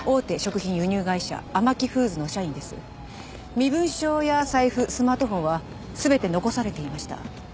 身分証や財布スマートフォンは全て残されていました。